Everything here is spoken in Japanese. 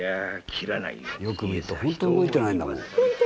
よく見るとほんと動いてないんだもん。